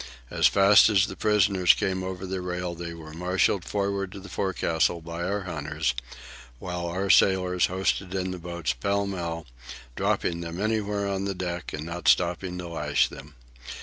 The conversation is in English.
As fast as the prisoners came over the rail they were marshalled forward to the forecastle by our hunters, while our sailors hoisted in the boats, pell mell, dropping them anywhere upon the deck and not stopping to lash them.